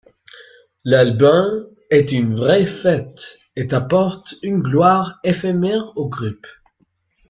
L’album est une vraie fête et apporte une gloire éphémère au groupe.